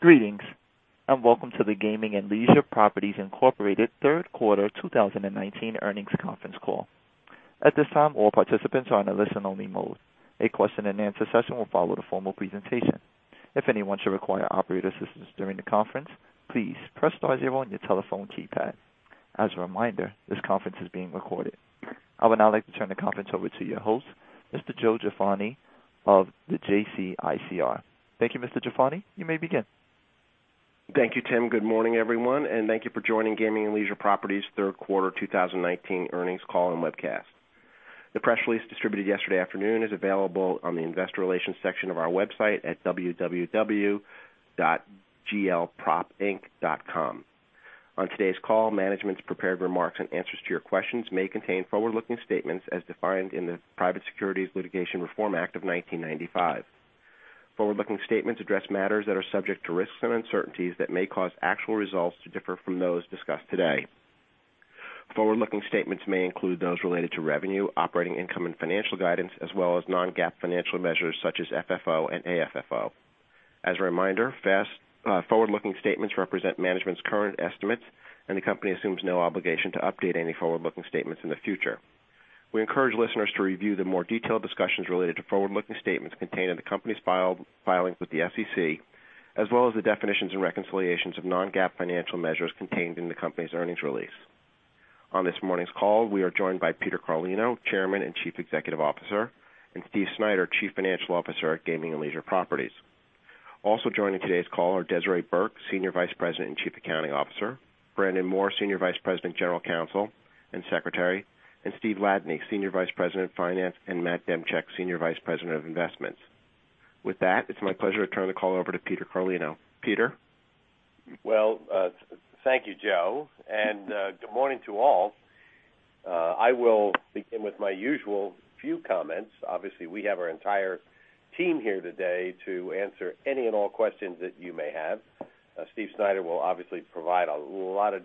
Greetings. Welcome to the Gaming and Leisure Properties, Inc. third quarter 2019 earnings conference call. At this time, all participants are on a listen-only mode. A question and answer session will follow the formal presentation. If anyone should require operator assistance during the conference, please press star zero on your telephone keypad. As a reminder, this conference is being recorded. I would now like to turn the conference over to your host, Mr. Joseph Jaffoni of the JCIR. Thank you, Mr. Jaffoni. You may begin. Thank you, Tim. Good morning, everyone, and thank you for joining Gaming and Leisure Properties' third quarter 2019 earnings call and webcast. The press release distributed yesterday afternoon is available on the investor relations section of our website at www.glpropinc.com. On today's call, management's prepared remarks and answers to your questions may contain forward-looking statements as defined in the Private Securities Litigation Reform Act of 1995. Forward-looking statements address matters that are subject to risks and uncertainties that may cause actual results to differ from those discussed today. Forward-looking statements may include those related to revenue, operating income, and financial guidance, as well as non-GAAP financial measures such as FFO and AFFO. As a reminder, forward-looking statements represent management's current estimates, and the company assumes no obligation to update any forward-looking statements in the future. We encourage listeners to review the more detailed discussions related to forward-looking statements contained in the company's filings with the SEC, as well as the definitions and reconciliations of non-GAAP financial measures contained in the company's earnings release. On this morning's call, we are joined by Peter Carlino, Chairman and Chief Executive Officer, and Steven Schneider, Chief Financial Officer at Gaming and Leisure Properties. Also joining today's call are Desiree Burke, Senior Vice President and Chief Accounting Officer, Brandon Moore, Senior Vice President, General Counsel, and Secretary, and Steven Ladany, Senior Vice President of Finance, and Matthew Demchyk, Senior Vice President of Investments. With that, it's my pleasure to turn the call over to Peter Carlino. Peter? Well, thank you, Joe, and good morning to all. I will begin with my usual few comments. Obviously, we have our entire team here today to answer any and all questions that you may have. Steven Schneider will obviously provide a lot of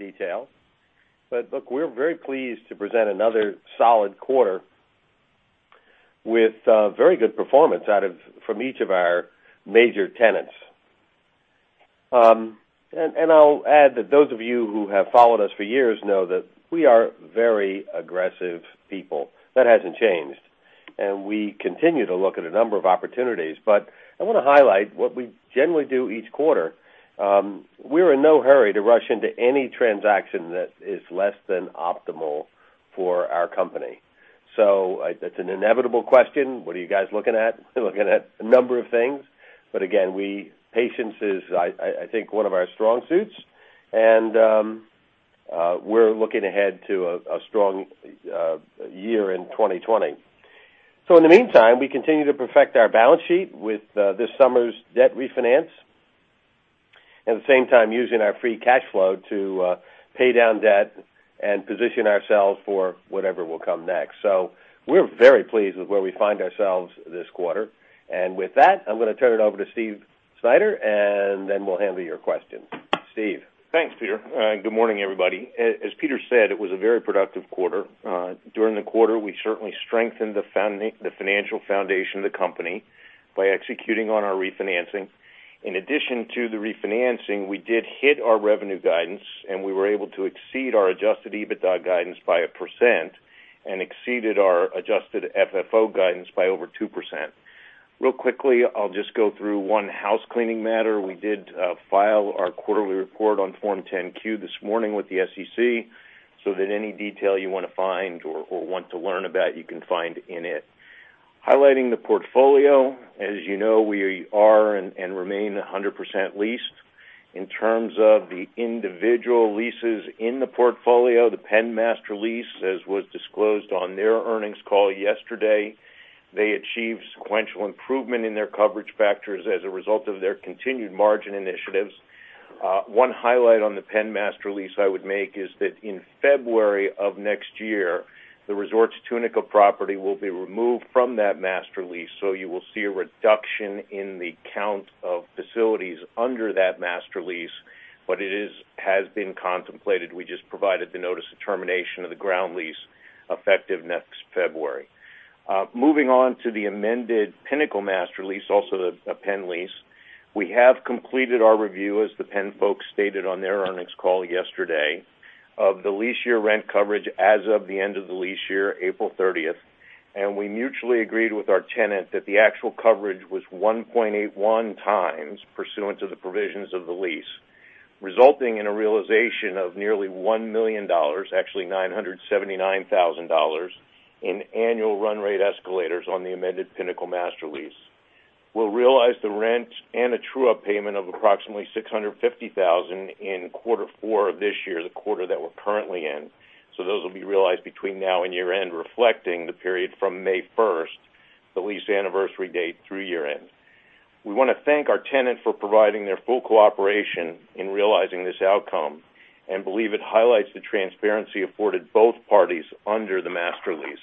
detail. Look, we're very pleased to present another solid quarter with very good performance from each of our major tenants. I'll add that those of you who have followed us for years know that we are very aggressive people. That hasn't changed. We continue to look at a number of opportunities. I want to highlight what we generally do each quarter. We're in no hurry to rush into any transaction that is less than optimal for our company. That's an inevitable question. What are you guys looking at? We're looking at a number of things. Again, patience is, I think, one of our strong suits. We're looking ahead to a strong year in 2020. In the meantime, we continue to perfect our balance sheet with this summer's debt refinance. At the same time, using our free cash flow to pay down debt and position ourselves for whatever will come next. We're very pleased with where we find ourselves this quarter. With that, I'm going to turn it over to Steven Schneider, and then we'll handle your questions. Steve? Thanks, Peter. Good morning, everybody. As Peter said, it was a very productive quarter. During the quarter, we certainly strengthened the financial foundation of the company by executing on our refinancing. In addition to the refinancing, we did hit our revenue guidance, and we were able to exceed our adjusted EBITDA guidance by 1% and exceeded our adjusted FFO guidance by over 2%. Real quickly, I'll just go through one housecleaning matter. We did file our quarterly report on Form 10-Q this morning with the SEC, so that any detail you want to find or want to learn about, you can find in it. Highlighting the portfolio, as you know, we are and remain 100% leased. In terms of the individual leases in the portfolio, the Penn master lease, as was disclosed on their earnings call yesterday, they achieved sequential improvement in their coverage factors as a result of their continued margin initiatives. One highlight on the Penn master lease I would make is that in February of next year, the Resorts Tunica property will be removed from that master lease, you will see a reduction in the count of facilities under that master lease. It has been contemplated. We just provided the notice of termination of the ground lease effective next February. Moving on to the amended Pinnacle master lease, also a Penn lease. We have completed our review, as the Penn folks stated on their earnings call yesterday, of the lease year rent coverage as of the end of the lease year, April 30th, and we mutually agreed with our tenant that the actual coverage was 1.81 times pursuant to the provisions of the lease, resulting in a realization of nearly $1 million, actually $979,000, in annual run rate escalators on the amended Pinnacle master lease. We will realize the rent and a true-up payment of approximately $650,000 in quarter four of this year, the quarter that we are currently in. Those will be realized between now and year-end, reflecting the period from May 1st, the lease anniversary date, through year-end. We want to thank our tenant for providing their full cooperation in realizing this outcome and believe it highlights the transparency afforded both parties under the master lease.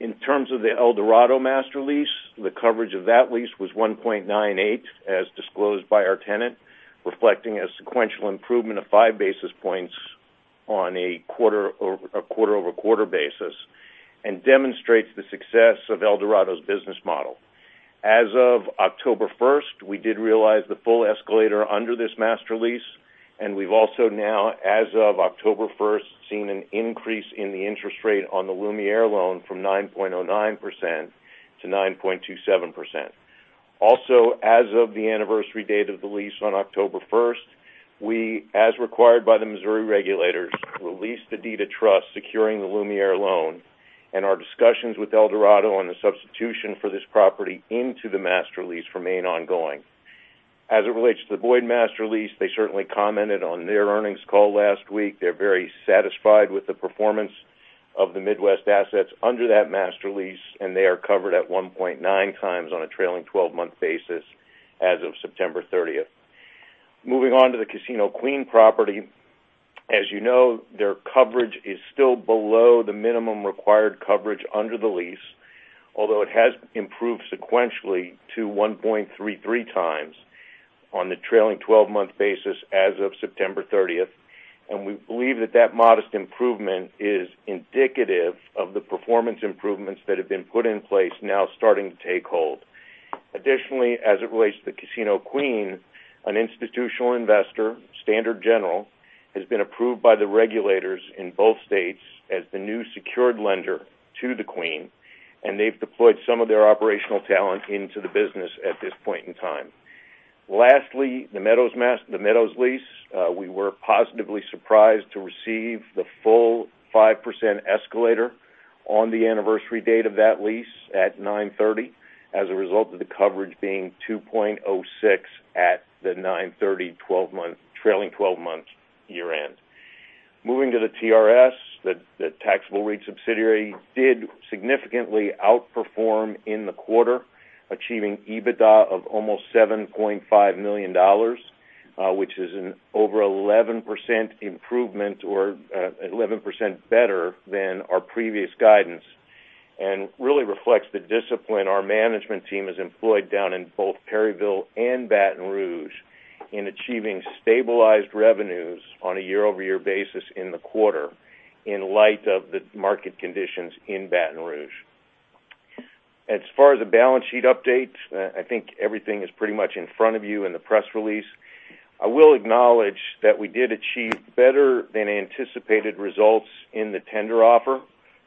In terms of the Eldorado master lease, the coverage of that lease was 1.98, as disclosed by our tenant, reflecting a sequential improvement of five basis points On a quarter-over-quarter basis and demonstrates the success of Eldorado's business model. As of October 1st, we did realize the full escalator under this master lease, and we've also now, as of October 1st, seen an increase in the interest rate on the Lumiere loan from 9.09% to 9.27%. As of the anniversary date of the lease on October 1st, we, as required by the Missouri regulators, released the deed of trust securing the Lumiere loan and our discussions with Eldorado on the substitution for this property into the master lease remain ongoing. As it relates to the Boyd master lease, they certainly commented on their earnings call last week. They're very satisfied with the performance of the Midwest assets under that master lease, and they are covered at 1.9 times on a trailing 12-month basis as of September 30th. Moving on to the Casino Queen property. As you know, their coverage is still below the minimum required coverage under the lease, although it has improved sequentially to 1.33 times on the trailing 12-month basis as of September 30th. We believe that that modest improvement is indicative of the performance improvements that have been put in place now starting to take hold. Additionally, as it relates to Casino Queen, an institutional investor, Standard General, has been approved by the regulators in both states as the new secured lender to the Queen. They've deployed some of their operational talent into the business at this point in time. Lastly, The Meadows lease. We were positively surprised to receive the full 5% escalator on the anniversary date of that lease at 9/30 as a result of the coverage being 2.06 at the 9/30 trailing 12-month year end. Moving to the TRS, the taxable REIT subsidiary did significantly outperform in the quarter, achieving EBITDA of almost $7.5 million, which is an over 11% improvement or 11% better than our previous guidance. Really reflects the discipline our management team has employed down in both Perryville and Baton Rouge in achieving stabilized revenues on a year-over-year basis in the quarter in light of the market conditions in Baton Rouge. As far as the balance sheet update, I think everything is pretty much in front of you in the press release. I will acknowledge that we did achieve better than anticipated results in the tender offer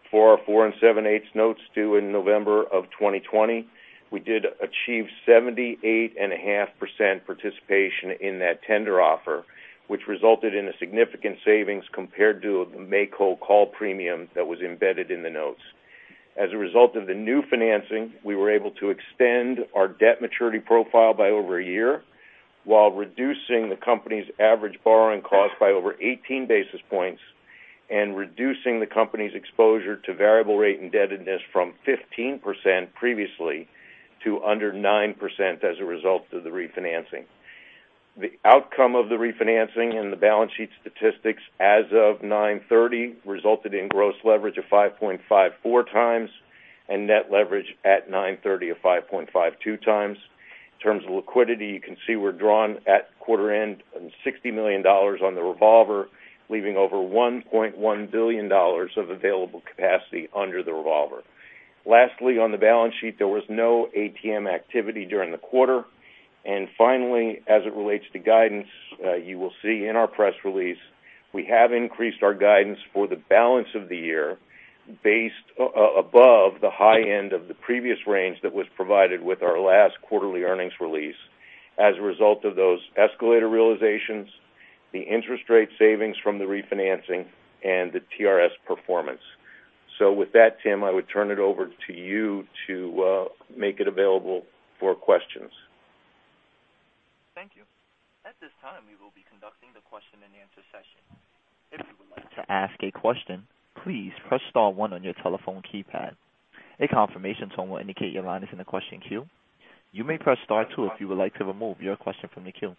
for our 4 7/8 notes due in November of 2020. We did achieve 78.5% participation in that tender offer, which resulted in a significant savings compared to the make-whole call premium that was embedded in the notes. As a result of the new financing, we were able to extend our debt maturity profile by over a year while reducing the company's average borrowing cost by over 18 basis points and reducing the company's exposure to variable rate indebtedness from 15% previously to under 9% as a result of the refinancing. The outcome of the refinancing and the balance sheet statistics as of 930 resulted in gross leverage of 5.54x and net leverage at 930 of 5.52x. In terms of liquidity, you can see we're drawn at quarter end on $60 million on the revolver, leaving over $1.1 billion of available capacity under the revolver. Lastly, on the balance sheet, there was no ATM activity during the quarter. Finally, as it relates to guidance, you will see in our press release, we have increased our guidance for the balance of the year above the high end of the previous range that was provided with our last quarterly earnings release as a result of those rent escalations, the interest rate savings from the refinancing, and the TRS performance. With that, Tim, I would turn it over to you to make it available for questions. Thank you. At this time, we will be conducting the question and answer session. If you would like to ask a question, please press star one on your telephone keypad. A confirmation tone will indicate your line is in the question queue. You may press star two if you would like to remove your question from the queue.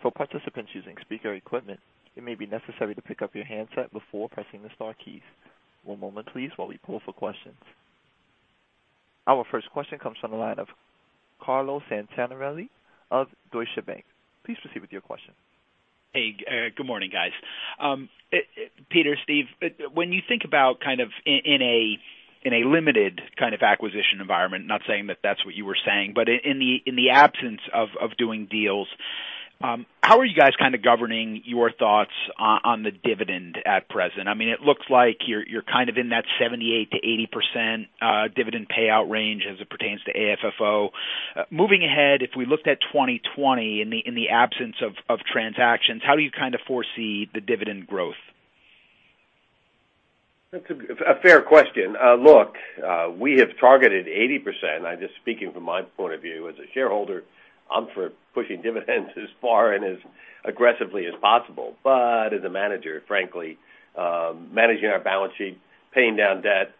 For participants using speaker equipment, it may be necessary to pick up your handset before pressing the star keys. One moment please while we pull for questions. Our first question comes from the line of Carlo Santarelli of Deutsche Bank. Please proceed with your question. Hey, good morning, guys. Peter, Steve, when you think about in a limited kind of acquisition environment, not saying that's what you were saying, but in the absence of doing deals, how are you guys kind of governing your thoughts on the dividend at present? It looks like you're kind of in that 78%-80% dividend payout range as it pertains to AFFO. Moving ahead, if we looked at 2020 in the absence of transactions, how do you kind of foresee the dividend growth? That's a fair question. Look, we have targeted 80%, I'm just speaking from my point of view as a shareholder, I'm for pushing dividends as far and as aggressively as possible. As a manager, frankly, managing our balance sheet, paying down debt,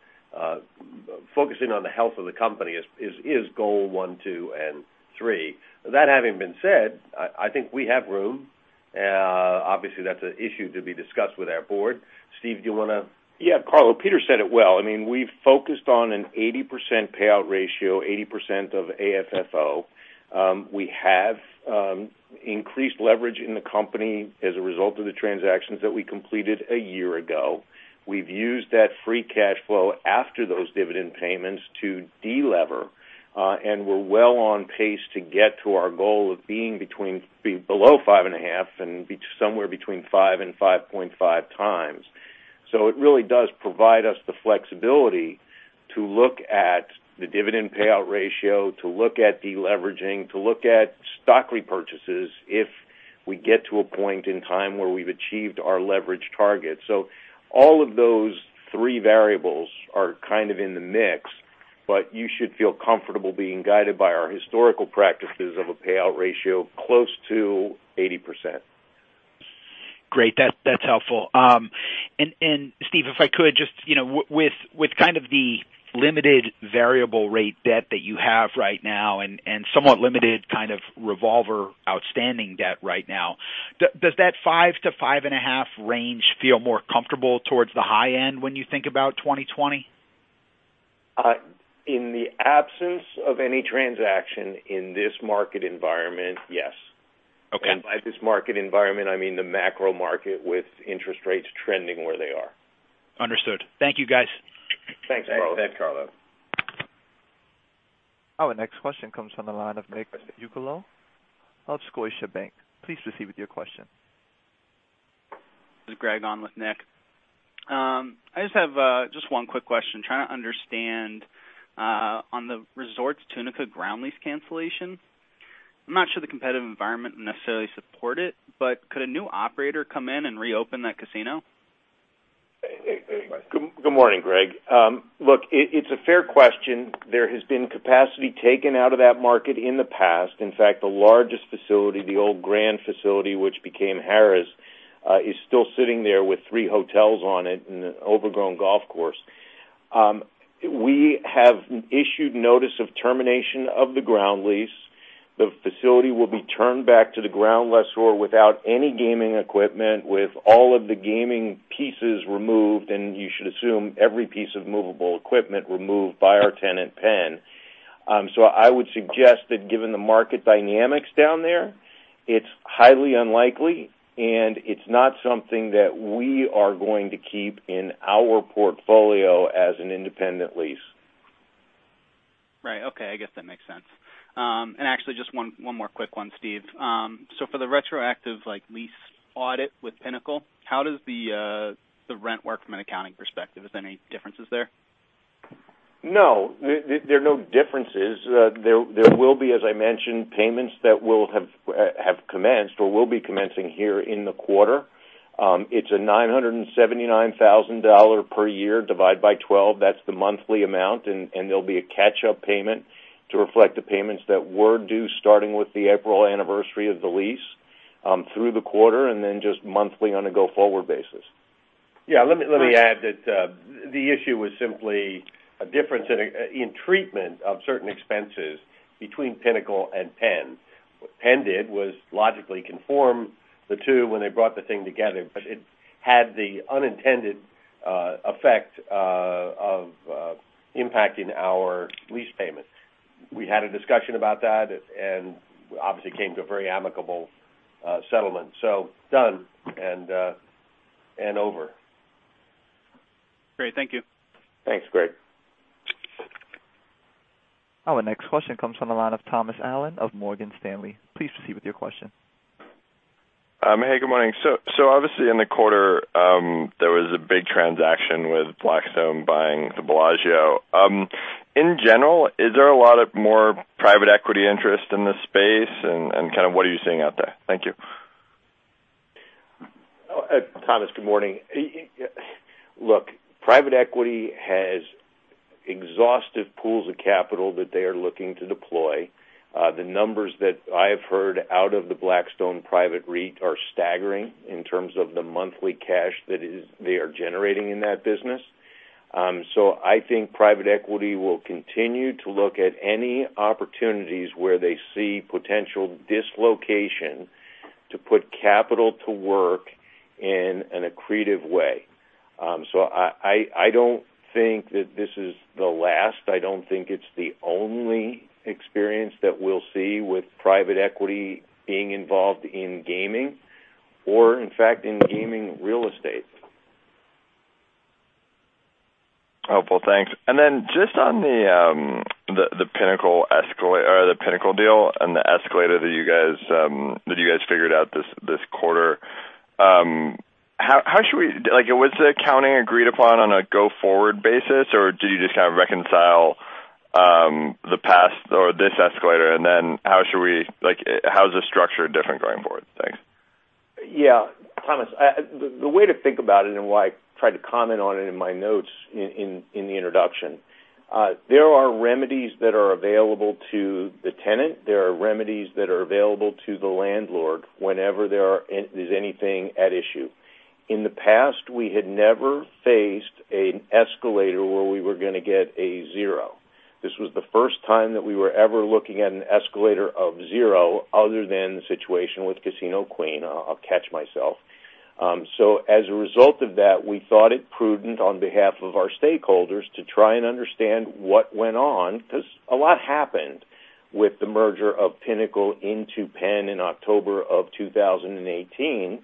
focusing on the health of the company is goal 1, 2, and 3. That having been said, I think we have room. Obviously, that's an issue to be discussed with our board. Steve, do you want to- Yeah, Carlo, Peter said it well. We've focused on an 80% payout ratio, 80% of AFFO. We have increased leverage in the company as a result of the transactions that we completed a year ago. We've used that free cash flow after those dividend payments to de-lever. We're well on pace to get to our goal of being below 5.5 and be somewhere between 5 and 5.5 times. It really does provide us the flexibility to look at the dividend payout ratio, to look at de-leveraging, to look at stock repurchases if we get to a point in time where we've achieved our leverage target. All of those three variables are kind of in the mix, but you should feel comfortable being guided by our historical practices of a payout ratio close to 80%. Great. That's helpful. Steve, if I could just, with kind of the limited variable rate debt that you have right now and somewhat limited kind of revolver outstanding debt right now, does that 5-5.5 range feel more comfortable towards the high end when you think about 2020? In the absence of any transaction in this market environment, yes. Okay. By this market environment, I mean the macro market with interest rates trending where they are. Understood. Thank you, guys. Thanks, bro. Thanks, Carlo. Our next question comes from the line of Nick Yulico of Scotiabank. Please proceed with your question. This is Greg on with Nick. I just have one quick question. Trying to understand, on the Resorts Tunica ground lease cancellation, I'm not sure the competitive environment necessarily support it, but could a new operator come in and reopen that casino? Good morning, Greg. Look, it's a fair question. There has been capacity taken out of that market in the past. In fact, the largest facility, the old Grand facility, which became Harrah's, is still sitting there with three hotels on it and an overgrown golf course. We have issued notice of termination of the ground lease. The facility will be turned back to the ground lessor without any gaming equipment, with all of the gaming pieces removed, and you should assume every piece of movable equipment removed by our tenant, Penn. I would suggest that given the market dynamics down there, it's highly unlikely, and it's not something that we are going to keep in our portfolio as an independent lease. Right. Okay. I guess that makes sense. Actually just one more quick one, Steve. For the retroactive lease audit with Pinnacle, how does the rent work from an accounting perspective? Is there any differences there? No, there are no differences. There will be, as I mentioned, payments that will have commenced or will be commencing here in the quarter. It's a $979,000 per year, divide by 12, that's the monthly amount. There'll be a catch-up payment to reflect the payments that were due, starting with the April anniversary of the lease, through the quarter, and then just monthly on a go-forward basis. Yeah, let me add that the issue was simply a difference in treatment of certain expenses between Pinnacle and Penn. What Penn did was logically conform the two when they brought the thing together, but it had the unintended effect of impacting our lease payments. We had a discussion about that and obviously came to a very amicable settlement. Done and over. Great. Thank you. Thanks, Greg. Our next question comes from the line of Thomas Allen of Morgan Stanley. Please proceed with your question. Hey, good morning. Obviously in the quarter, there was a big transaction with Blackstone buying the Bellagio. In general, is there a lot of more private equity interest in this space and kind of what are you seeing out there? Thank you. Thomas, good morning. Look, private equity has exhaustive pools of capital that they are looking to deploy. The numbers that I have heard out of the Blackstone private REIT are staggering in terms of the monthly cash that they are generating in that business. I think private equity will continue to look at any opportunities where they see potential dislocation to put capital to work in an accretive way. I don't think that this is the last, I don't think it's the only experience that we'll see with private equity being involved in gaming or in fact, in gaming real estate. Helpful, thanks. Just on the Pinnacle deal and the escalator that you guys figured out this quarter, was the accounting agreed upon on a go-forward basis, or do you just kind of reconcile the past or this escalator, and then how is this structure different going forward? Thanks. Thomas, the way to think about it and why I tried to comment on it in my notes in the introduction, there are remedies that are available to the tenant. There are remedies that are available to the landlord whenever there's anything at issue. In the past, we had never faced an escalator where we were going to get a zero. This was the first time that we were ever looking at an escalator of zero other than the situation with Casino Queen. I'll catch myself. As a result of that, we thought it prudent on behalf of our stakeholders to try and understand what went on, because a lot happened with the merger of Pinnacle into Penn in October of 2018.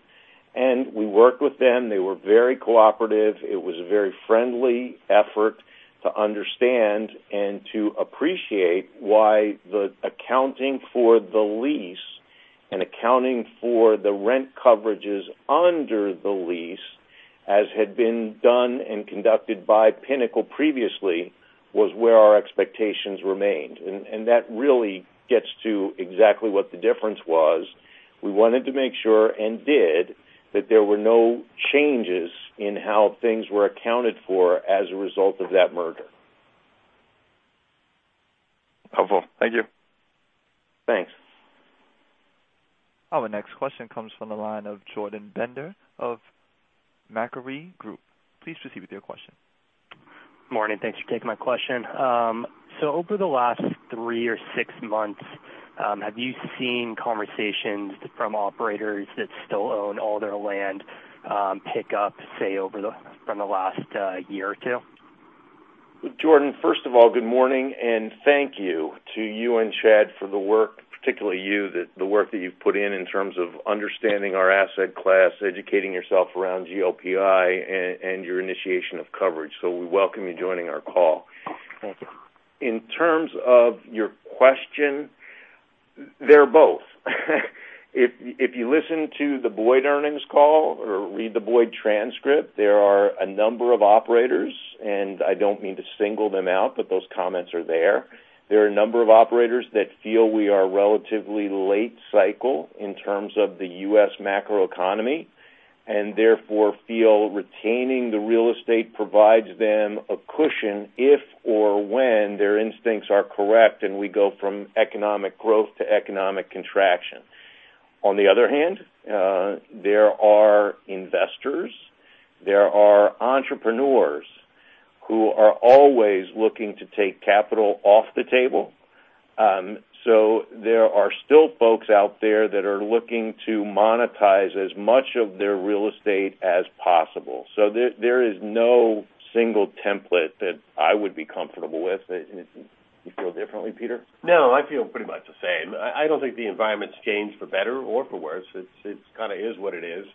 We worked with them. They were very cooperative. It was a very friendly effort to understand and to appreciate why the accounting for the lease and accounting for the rent coverages under the lease, as had been done and conducted by Pinnacle previously, was where our expectations remained. That really gets to exactly what the difference was. We wanted to make sure and did, that there were no changes in how things were accounted for as a result of that merger. Helpful. Thank you. Thanks. Our next question comes from the line of Jordan Bender of Macquarie Group. Please proceed with your question. Morning. Thanks for taking my question. Over the last three or six months, have you seen conversations from operators that still own all their land, pick up, say, from the last year or two? Jordan, first of all, good morning and thank you to you and Chad for the work, particularly you, the work that you've put in terms of understanding our asset class, educating yourself around GLPI, and your initiation of coverage. We welcome you joining our call. Thank you. In terms of your question, they're both. If you listen to the Boyd earnings call or read the Boyd transcript, there are a number of operators, and I don't mean to single them out, but those comments are there. There are a number of operators that feel we are relatively late cycle in terms of the U.S. macroeconomy, and therefore, feel retaining the real estate provides them a cushion if or when their instincts are correct and we go from economic growth to economic contraction. On the other hand, there are investors, there are entrepreneurs who are always looking to take capital off the table. There are still folks out there that are looking to monetize as much of their real estate as possible. There is no single template that I would be comfortable with. You feel differently, Peter? No, I feel pretty much the same. I don't think the environment's changed for better or for worse. It kind of is what it is.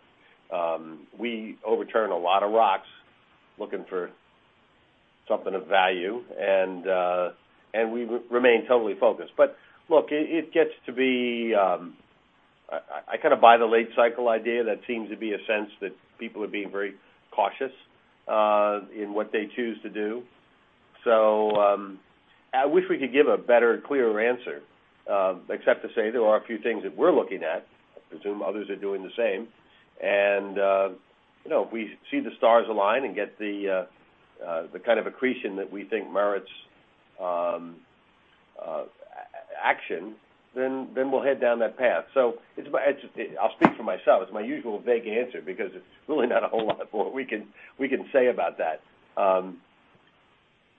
We overturn a lot of rocks looking for something of value, and we remain totally focused. Look, it gets to be I kind of buy the late cycle idea. That seems to be a sense that people are being very cautious in what they choose to do. I wish we could give a better, clearer answer, except to say there are a few things that we're looking at. I presume others are doing the same. If we see the stars align and get the kind of accretion that we think merits action, then we'll head down that path. I'll speak for myself. It's my usual vague answer because it's really not a whole lot more we can say about that.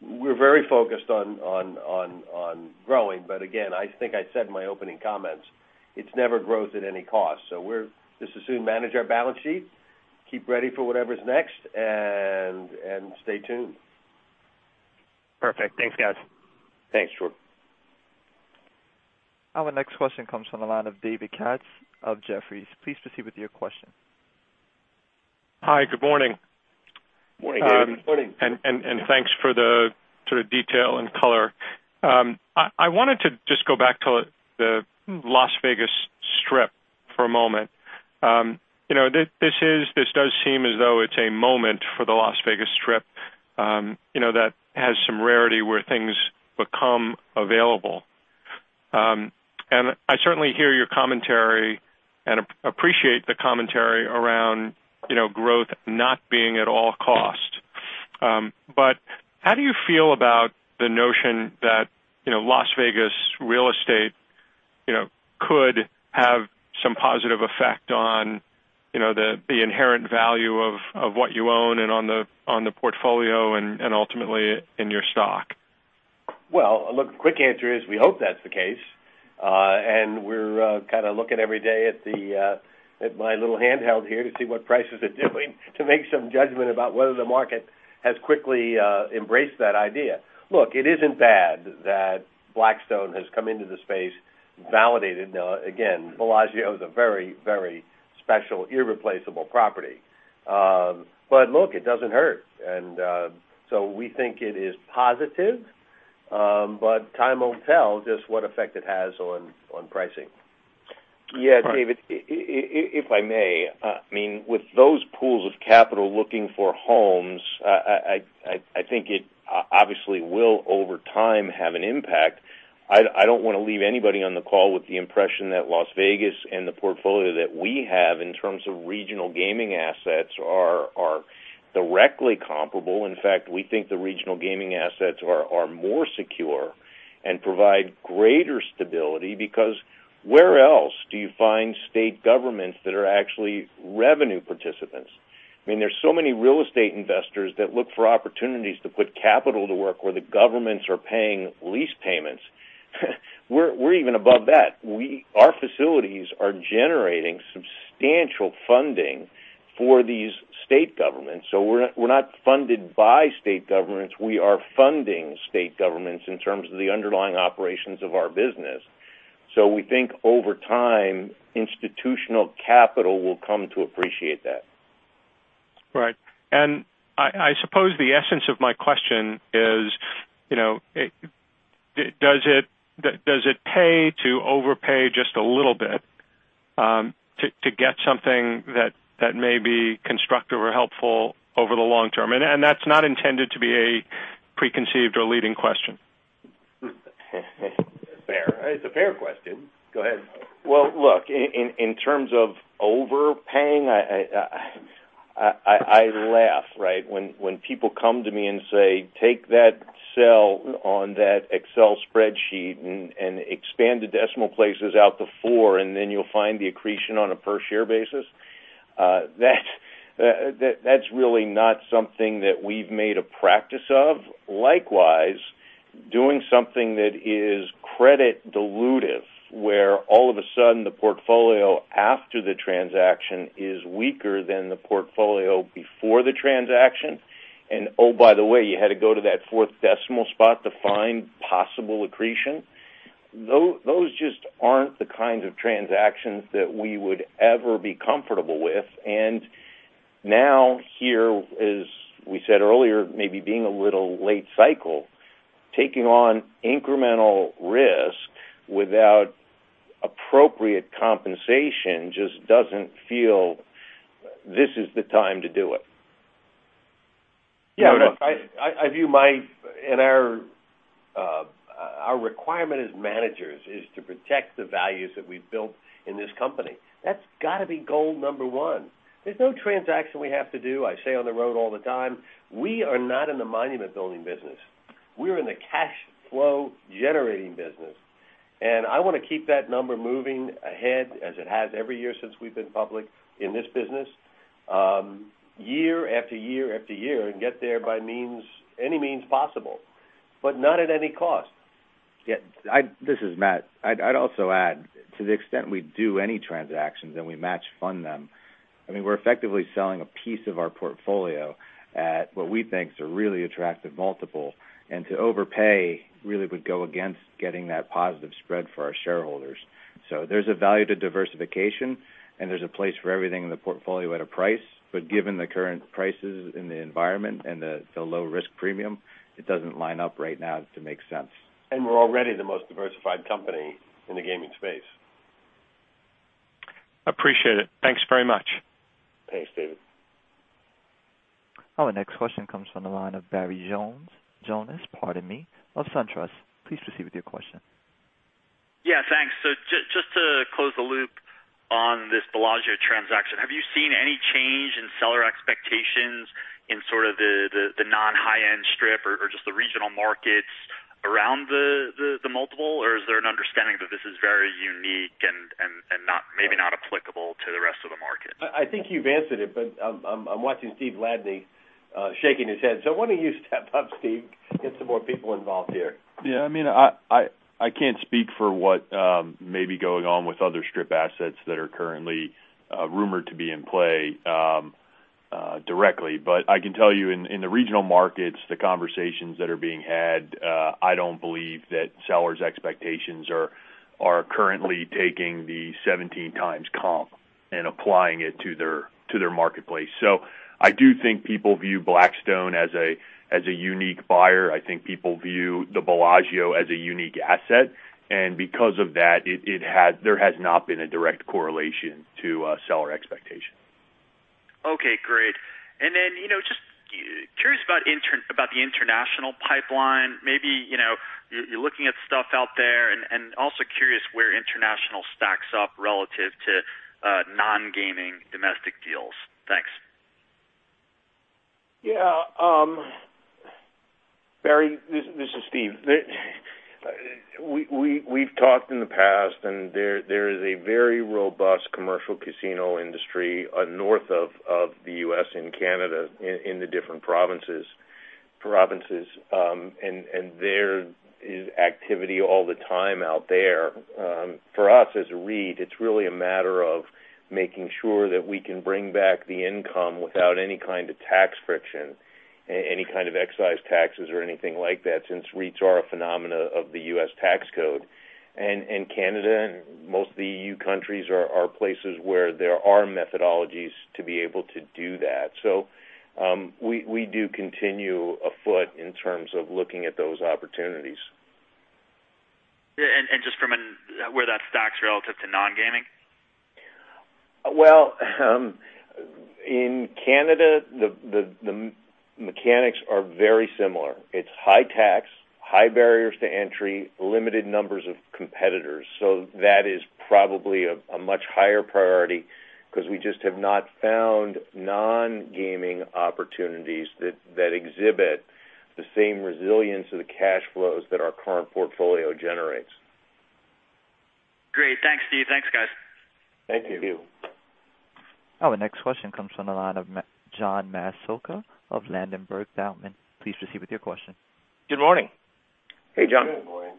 We're very focused on growing, but again, I think I said in my opening comments, it's never growth at any cost. We'll just assume manage our balance sheet, keep ready for whatever's next and stay tuned. Perfect. Thanks, guys. Thanks, Jordan. Our next question comes from the line of David Katz of Jefferies. Please proceed with your question. Hi, good morning. Morning, David. Morning. Thanks for the sort of detail and color. I wanted to just go back to the Las Vegas Strip for a moment. This does seem as though it's a moment for the Las Vegas Strip that has some rarity where things become available. I certainly hear your commentary and appreciate the commentary around growth not being at all cost. How do you feel about the notion that Las Vegas real estate could have some positive effect on the inherent value of what you own and on the portfolio and ultimately in your stock? Well, look, the quick answer is we hope that's the case. We're kind of looking every day at my little handheld here to see what prices are doing to make some judgment about whether the market has quickly embraced that idea. It isn't bad that Blackstone has come into the space, validated. Again, Bellagio is a very, very special, irreplaceable property. Look, it doesn't hurt. We think it is positive. Time will tell just what effect it has on pricing. Yeah, David, if I may. With those pools of capital looking for homes, I think it obviously will, over time, have an impact. I don't want to leave anybody on the call with the impression that Las Vegas and the portfolio that we have in terms of regional gaming assets are directly comparable. In fact, we think the regional gaming assets are more secure and provide greater stability because where else do you find state governments that are actually revenue participants? I mean, there's so many real estate investors that look for opportunities to put capital to work where the governments are paying lease payments. We're even above that. Our facilities are generating substantial funding for these state governments. We're not funded by state governments. We are funding state governments in terms of the underlying operations of our business. We think over time, institutional capital will come to appreciate that. Right. I suppose the essence of my question is, does it pay to overpay just a little bit to get something that may be constructive or helpful over the long term? That's not intended to be a preconceived or leading question. Fair. It's a fair question. Go ahead. Well, look, in terms of overpaying, I laugh, right? When people come to me and say, "Take that cell on that Excel spreadsheet and expand the decimal places out to four, and then you'll find the accretion on a per share basis." That's really not something that we've made a practice of. Likewise, doing something that is credit dilutive, where all of a sudden, the portfolio after the transaction is weaker than the portfolio before the transaction, and oh, by the way, you had to go to that fourth decimal spot to find possible accretion. Those just aren't the kinds of transactions that we would ever be comfortable with. Now here, as we said earlier, maybe being a little late cycle, taking on incremental risk without appropriate compensation just doesn't feel this is the time to do it. Yeah, I view my, and our requirement as managers is to protect the values that we've built in this company. That's got to be goal number one. There's no transaction we have to do. I say on the road all the time, we are not in the monument building business. We're in the cash flow generating business, and I want to keep that number moving ahead as it has every year since we've been public in this business. Year after year after year and get there by any means possible, but not at any cost. Yeah. This is Matt. I'd also add, to the extent we do any transactions and we match fund them, I mean, we're effectively selling a piece of our portfolio at what we think is a really attractive multiple. To overpay really would go against getting that positive spread for our shareholders. There's a value to diversification, and there's a place for everything in the portfolio at a price. Given the current prices in the environment and the low risk premium, it doesn't line up right now to make sense. We're already the most diversified company in the gaming space. Appreciate it. Thanks very much. Thanks, David. Our next question comes from the line of Barry Jonas. Jonas, pardon me, of SunTrust. Please proceed with your question. Yeah, thanks. Just to close the loop on this Bellagio transaction, have you seen any change in seller expectations in sort of the non-high-end Strip or just the regional markets around the multiple? Is there an understanding that this is very unique and maybe not applicable to the rest of the market? I think you've answered it, but I'm watching Steven Ladany shaking his head. Why don't you step up, Steve? Get some more people involved here. Yeah, I mean, I can't speak for what may be going on with other Strip assets that are currently rumored to be in play directly. I can tell you in the regional markets, the conversations that are being had, I don't believe that sellers' expectations are currently taking the 17 times comp and applying it to their marketplace. I do think people view Blackstone as a unique buyer. I think people view the Bellagio as a unique asset, and because of that, there has not been a direct correlation to seller expectation. Okay, great. Just curious about the international pipeline, maybe you're looking at stuff out there and also curious where international stacks up relative to non-gaming domestic deals. Thanks. Yeah. Barry, this is Steve. We've talked in the past. There is a very robust commercial casino industry north of the U.S. and Canada in the different provinces. There is activity all the time out there. For us, as a REIT, it's really a matter of making sure that we can bring back the income without any kind of tax friction, any kind of excise taxes or anything like that, since REITs are a phenomena of the U.S. tax code. Canada and most of the EU countries are places where there are methodologies to be able to do that. We do continue afoot in terms of looking at those opportunities. Yeah, and just from where that stacks relative to non-gaming? Well, in Canada, the mechanics are very similar. It's high tax, high barriers to entry, limited numbers of competitors. That is probably a much higher priority because we just have not found non-gaming opportunities that exhibit the same resilience of the cash flows that our current portfolio generates. Great. Thanks, Steve. Thanks, guys. Thank you. Thank you. Our next question comes from the line of John Massocca of Ladenburg Thalmann. Please proceed with your question. Good morning. Hey, John. Good morning.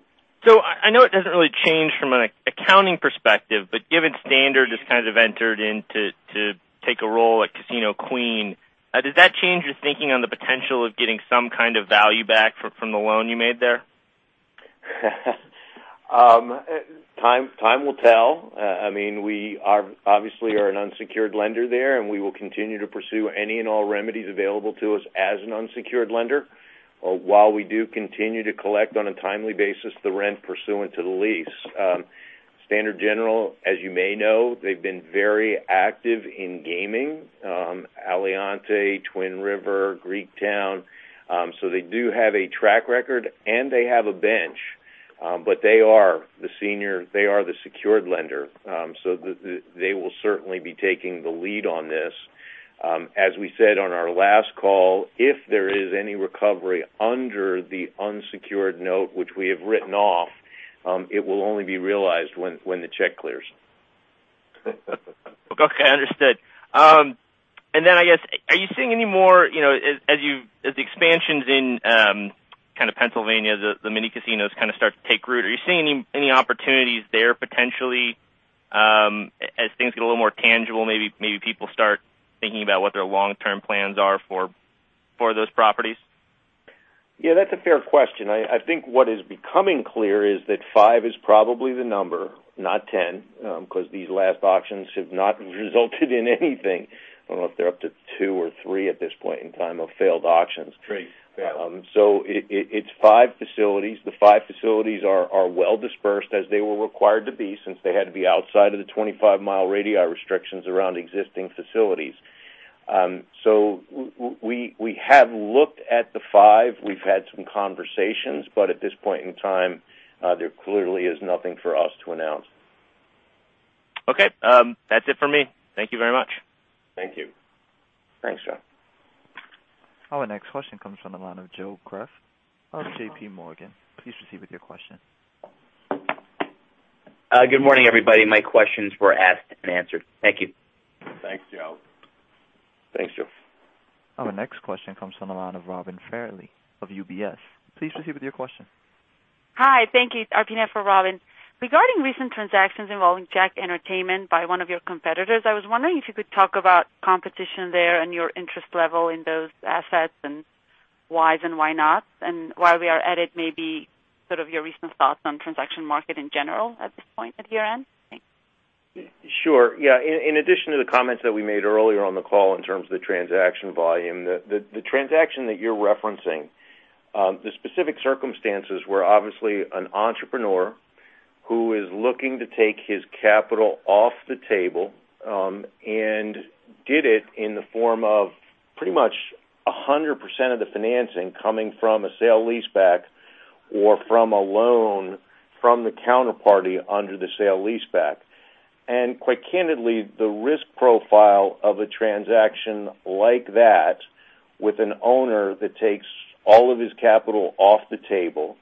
I know it doesn't really change from an accounting perspective, but given Standard has kind of entered in to take a role at Casino Queen, does that change your thinking on the potential of getting some kind of value back from the loan you made there? Time will tell. We obviously are an unsecured lender there, and we will continue to pursue any and all remedies available to us as an unsecured lender. While we do continue to collect on a timely basis the rent pursuant to the lease. Standard General, as you may know, they've been very active in gaming, Aliante, Twin River, Greektown. They do have a track record and they have a bench. They are the secured lender. They will certainly be taking the lead on this. As we said on our last call, if there is any recovery under the unsecured note, which we have written off, it will only be realized when the check clears. Okay, understood. I guess, are you seeing any more, as the expansions in kind of Pennsylvania, the mini casinos kind of start to take root, are you seeing any opportunities there potentially, as things get a little more tangible, maybe people start thinking about what their long-term plans are for those properties? Yeah, that's a fair question. I think what is becoming clear is that five is probably the number, not 10, because these last auctions have not resulted in anything. I don't know if they're up to two or three at this point in time of failed auctions. Right. Yeah. It's five facilities. The five facilities are well dispersed as they were required to be, since they had to be outside of the 25-mile radii restrictions around existing facilities. We have looked at the five. We've had some conversations, but at this point in time, there clearly is nothing for us to announce. Okay. That's it for me. Thank you very much. Thank you. Thanks, John. Our next question comes from the line of Joe Greff of J.P. Morgan. Please proceed with your question. Good morning, everybody. My questions were asked and answered. Thank you. Thanks, Joe. Thanks, Joe. Our next question comes from the line of Robin Farley of UBS. Please proceed with your question. Hi, thank you. It's Albina for Robin. Regarding recent transactions involving JACK Entertainment by one of your competitors, I was wondering if you could talk about competition there and your interest level in those assets and whys and why nots, and while we are at it, maybe sort of your recent thoughts on transaction market in general at this point at your end. Thanks. Sure. Yeah. In addition to the comments that we made earlier on the call in terms of the transaction volume, the transaction that you're referencing, the specific circumstances were obviously an entrepreneur who is looking to take his capital off the table, and did it in the form of pretty much 100% of the financing coming from a sale-leaseback or from a loan from the counterparty under the sale-leaseback. Quite candidly, the risk profile of a transaction like that with an owner that takes all of his capital off the table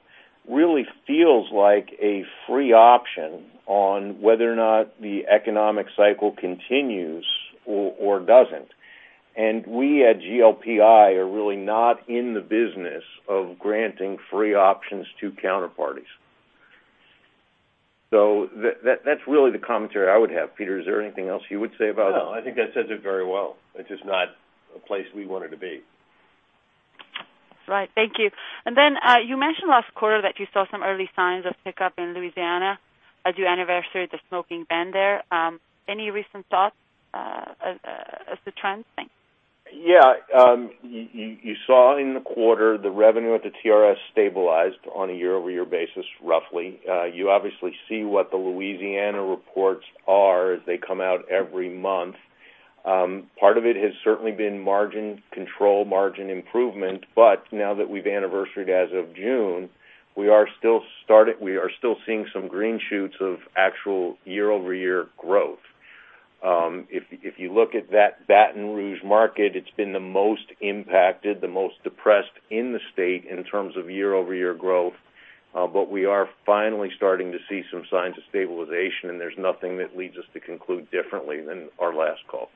really feels like a free option on whether or not the economic cycle continues or doesn't. We at GLPI are really not in the business of granting free options to counterparties. That's really the commentary I would have. Peter, is there anything else you would say about it? No, I think that says it very well. It's just not a place we wanted to be. That's right. Thank you. You mentioned last quarter that you saw some early signs of pickup in Louisiana as you anniversaried the smoking ban there. Any recent thoughts of the trends? Thanks. Yeah. You saw in the quarter the revenue at the TRS stabilized on a year-over-year basis, roughly. You obviously see what the Louisiana reports are as they come out every month. Part of it has certainly been margin control, margin improvement. Now that we've anniversaried as of June, we are still seeing some green shoots of actual year-over-year growth. If you look at that Baton Rouge market, it's been the most impacted, the most depressed in the state in terms of year-over-year growth. We are finally starting to see some signs of stabilization. There's nothing that leads us to conclude differently than our last call.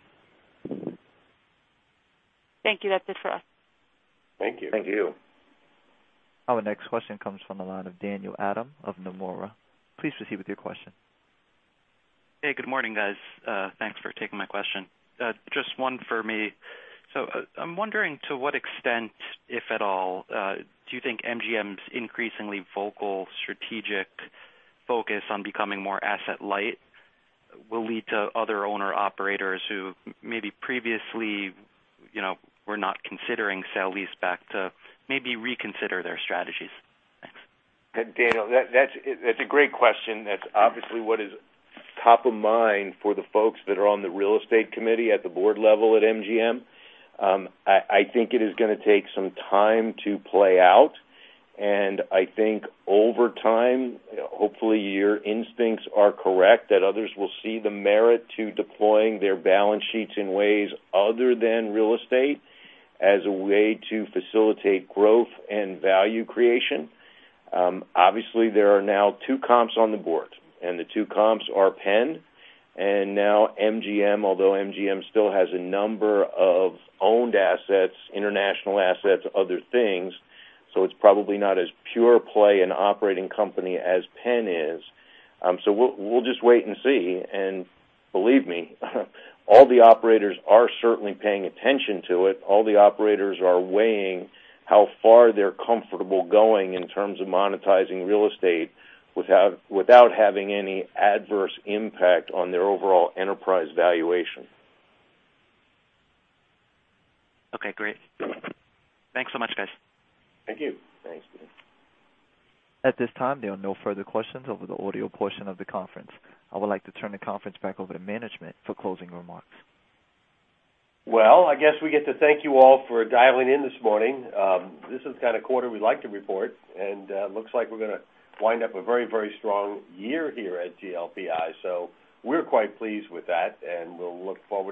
Thank you. That's it for us. Thank you. Thank you. Our next question comes from the line of Daniel Adam of Nomura. Please proceed with your question. Hey, good morning, guys. Thanks for taking my question. Just one for me. I'm wondering to what extent, if at all, do you think MGM's increasingly vocal strategic focus on becoming more asset light will lead to other owner operators who maybe previously were not considering sale-leaseback to maybe reconsider their strategies? Thanks. Daniel, that's a great question. That's obviously what is top of mind for the folks that are on the real estate committee at the board level at MGM. I think it is going to take some time to play out, and I think over time, hopefully your instincts are correct that others will see the merit to deploying their balance sheets in ways other than real estate as a way to facilitate growth and value creation. Obviously there are now two comps on the board, and the two comps are Penn and now MGM, although MGM still has a number of owned assets, international assets, other things. It's probably not as pure play an operating company as Penn is. We'll just wait and see, and believe me, all the operators are certainly paying attention to it. All the operators are weighing how far they're comfortable going in terms of monetizing real estate without having any adverse impact on their overall enterprise valuation. Okay, great. Thanks so much, guys. Thank you. Thanks, Daniel. At this time, there are no further questions over the audio portion of the conference. I would like to turn the conference back over to management for closing remarks. Well, I guess we get to thank you all for dialing in this morning. This is the kind of quarter we like to report, and looks like we're going to wind up a very strong year here at GLPI. We're quite pleased with that.